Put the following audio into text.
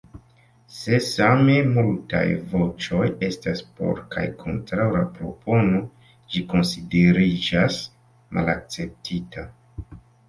Se same multaj voĉoj estas por kaj kontraŭ la propono, ĝi konsideriĝas malakceptita.